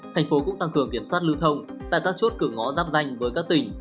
tp hcm cũng tăng cường kiểm soát lưu thông tại các chốt cửa ngõ giáp danh với các tỉnh